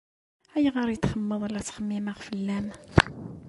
Ayɣer i txemmeḍ la ttxemmimeɣ fell-am?